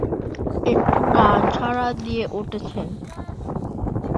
একটু গা ঝাড়া দিয়ে উঠেছেন।